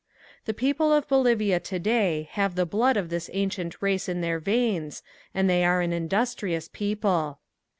The people of Bolivia today have the blood of this ancient race in their veins and they are an industrious people.